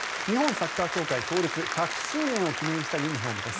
サッカー協会創立１００周年を記念したユニホームです。